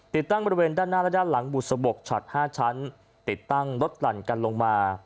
ติดตั้งบริเวณด้านหน้าและด้านหลังบุษบกฉัด๕ชั้นติดตั้งรถหลั่นกันลงมา